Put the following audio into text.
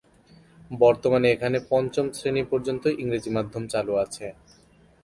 বর্তমানে এখানে পঞ্চম শ্রেণী পর্যন্ত ইংরেজি মাধ্যম চালু আছে।